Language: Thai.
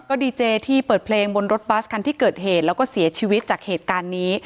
ก็ดีเจที่เปิดเพลงบนรถบัสคันที่เกิดเหตุแล้วก็เสียชีวิตจากเหตุการณ์นี้